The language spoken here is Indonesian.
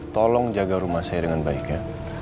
tolong jaga rumah saya dengan baik ya